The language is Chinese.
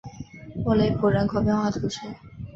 沃雷普人口变化图示